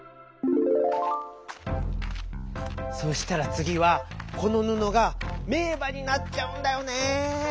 そしたらつぎはこの布が名馬になっちゃうんだよね。